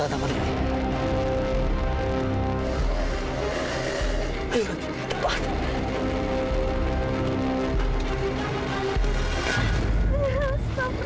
eh bisa tidur banget orang